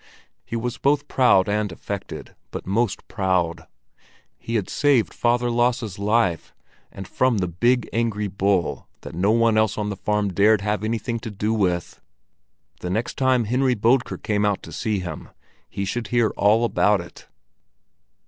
He was both proud and affected, but most proud. He had saved Father Lasse's life, and from the big, angry bull that no one else on the farm dared have anything to do with. The next time Henry Bodker came out to see him, he should hear all about it.